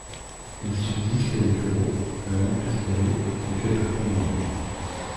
Il subsiste les bureaux, la lampisterie, et quelques pans de murs.